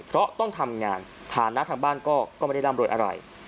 เพราะต้องทำงานฐานะทางบ้านก็ไม่ได้ร่ำรวยอะไร